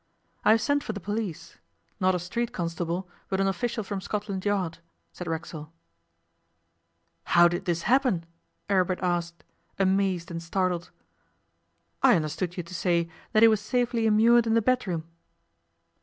'I have sent for the police not a street constable, but an official from Scotland Yard,' said Racksole. 'How did this happen?' Aribert asked, amazed and startled. 'I understood you to say that he was safely immured in the bedroom.